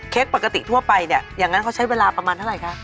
ปกติทั่วไปเนี่ยอย่างนั้นเขาใช้เวลาประมาณเท่าไหร่คะ